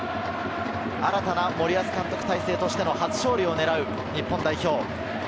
新たな森保監督体制としての初勝利を狙う日本代表。